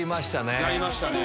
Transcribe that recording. やりましたね。